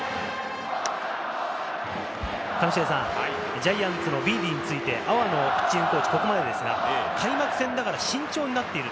ジャイアンツのビーディについて阿波野ピッチングコーチは、ここまで開幕戦だから慎重になっている。